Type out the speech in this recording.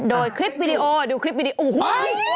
โดยคลิปวิดีโอดูคลิปวิดีโอ้โห